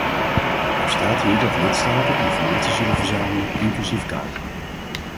Er staat hier dat de lidstaten informatie zullen verzamelen, inclusief kaarten.